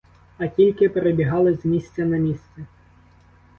А тільки перебігали з місця на місце.